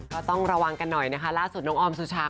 ก็ต้องระวังกันหน่อยนะคะล่าสุดน้องออมสุชา